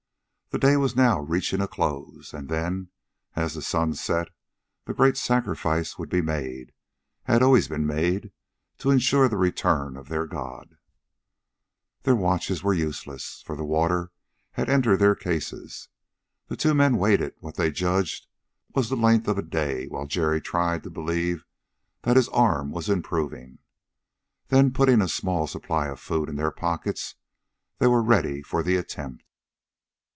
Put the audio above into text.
The day was now reaching a close. And then, as the sun set, the great sacrifice would be made had always been made to insure the return of their god. Their watches were useless, for the water had entered their cases. The two men waited what they judged was the length of a day, while Jerry tried to believe that his arm was improving. Then, putting a small supply of food in their pockets, they were ready for the attempt.